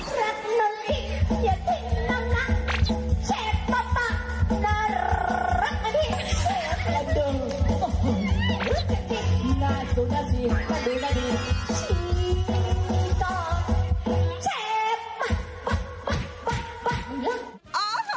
ฉีกกเชฟบะบะบะบะ